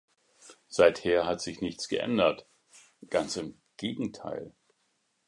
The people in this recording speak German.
Seither hat sich nichts geändert, ganz im Gegenteil.